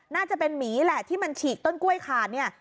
น่าจะเป็นหมีแหละที่มันฉีกต้นกล้วยขาดเนี่ย